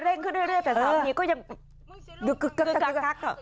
เร่งขึ้นเรื่อยแต่สามียังกระกั๊ก